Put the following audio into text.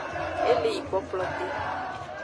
E le yi kplokplote.